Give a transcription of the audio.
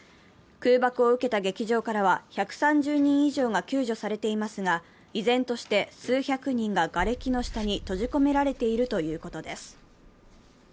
空爆を受けた劇場からは１３０人以上が救助されていますが依然として数百人ががれきの下に閉じ込められているということです。